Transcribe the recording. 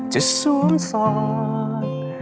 จะสวมศอก